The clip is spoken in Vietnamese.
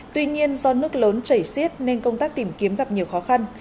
tuy nhiên do nước lớn chảy xiết nên công tác tìm kiếm gặp nhiều khó khăn